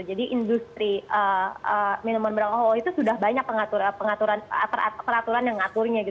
jadi industri minuman beralkohol itu sudah banyak peraturan yang mengaturnya